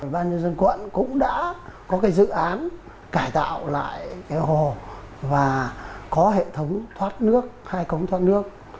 ban nhân dân quận cũng đã có cái dự án cải tạo lại cái hồ và có hệ thống thoát nước hai cống thoát nước